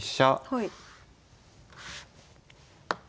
はい。